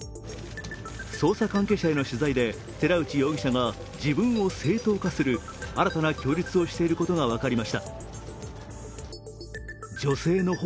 捜査関係者への取材で寺内容疑者は自分を正当化する、新たな供述をしていることが分かりました。